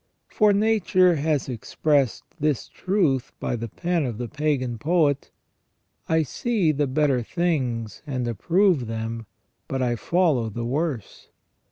For nature has expressed this truth by the pen of the pagan poet :" I see the better things, and approve them, but I follow the worse